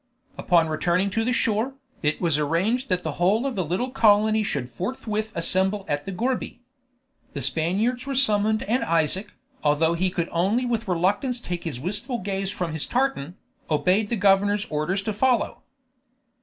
Upon returning to the shore, it was arranged that the whole of the little colony should forthwith assemble at the gourbi. The Spaniards were summoned and Isaac, although he could only with reluctance take his wistful gaze from his tartan, obeyed the governor's orders to follow.